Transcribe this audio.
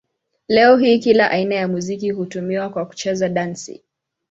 Leo hii kila aina ya muziki hutumiwa kwa kucheza dansi.